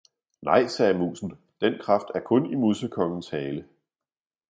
»Nei,« sagde Musen, »den Kraft er kun i Musekongens Hale!